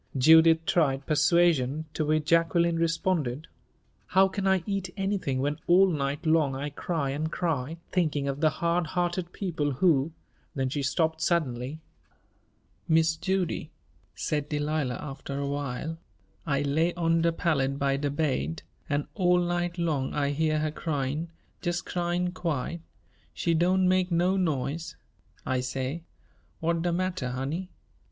Judith tried persuasion, to which Jacqueline responded, "How can I eat anything, when all night long I cry and cry, thinking of the hard hearted people who " Then she stopped suddenly. "Mise Judy," said Delilah, after a while, "I lay on de pallet by de baid, an' all night long I heah her cryin', jes' cryin' quiet she doan' make no noise. I say: 'What de matter, honey?